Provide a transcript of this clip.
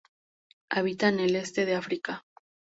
Habita en el este de África.